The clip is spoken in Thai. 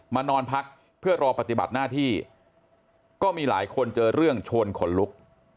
นอนพักเพื่อรอปฏิบัติหน้าที่ก็มีหลายคนเจอเรื่องชวนขนลุก